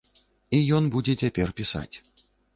І ён будзе цяпер пісаць.